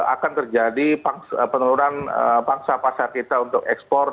akan terjadi penurunan pangsa pasar kita untuk ekspor